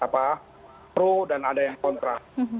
pro dan ada yang kontra